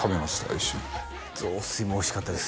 一緒に雑炊もおいしかったです